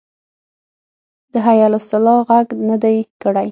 د حی علی الصلواه غږ نه دی کړی.